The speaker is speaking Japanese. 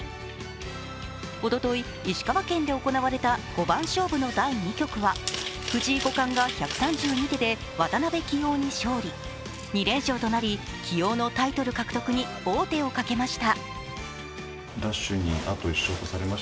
おととい、石川県で行われた五番勝負の第２局は藤井五冠が１３２手で渡辺棋王に勝利２連勝となり棋王のタイトル獲得に王手をかけました。